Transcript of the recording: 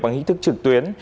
bằng hình thức trực tuyến